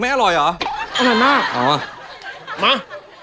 อร่อยเหรออร่อยมากอ๋อมา